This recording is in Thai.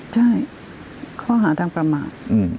ใช่ข้อหาทางประมาท